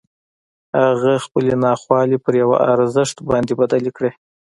هغه خپلې ناخوالې پر یوه ارزښت باندې بدلې کړې